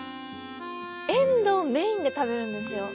エンドウメインで食べるんですよ。